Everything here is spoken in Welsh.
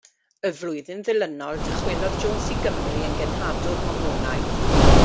Y flwyddyn ddilynol dychwelodd Jones i Gymru yn genhadwr Mormonaidd.